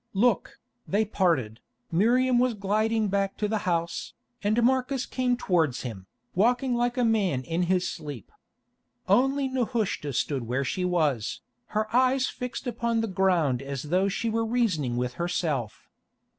Look, they had parted; Miriam was gliding back to the house, and Marcus came towards him, walking like a man in his sleep. Only Nehushta stood where she was, her eyes fixed upon the ground as though she were reasoning with herself.